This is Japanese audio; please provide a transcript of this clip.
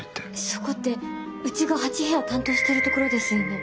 そこってうちが８部屋担当してるところですよね？